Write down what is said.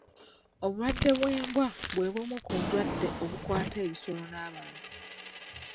Obulwadde bw'embwa bwe bumu ku ndwadde obukwata ebisolo n'abantu.